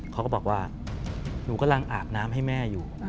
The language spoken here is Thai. เขาก็บอกว่าหนูกำลังอาบน้ำให้แม่อยู่